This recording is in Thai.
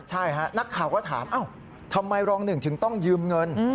ใช่ฮะนักข่าวก็ถามทำไมรองหนึ่งถึงต้องยืมเงิน